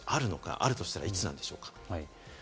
あるとしたら、いつなんでしょうか？